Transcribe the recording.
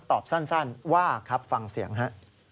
ตอบสั้นว่าครับฟังเสียงฮะ